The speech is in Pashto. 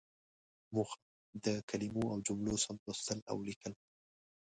موخه: د کلمو او جملو سم لوستل او ليکل.